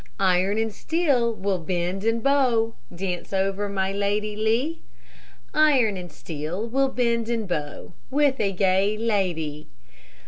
Iron and steel will bend and bow, Dance over my Lady Lee; Iron and steel will bend and bow, With a gay lady.